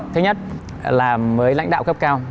thứ nhất là mới lãnh đạo cấp cao